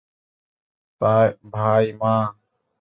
ভাই - মা?